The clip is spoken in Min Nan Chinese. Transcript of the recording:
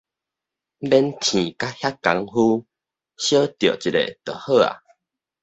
免紩甲遐工夫，小釣一下就好矣